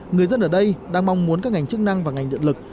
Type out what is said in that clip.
người dân ở đây đang mong muốn các ngành chức năng và ngành điện lực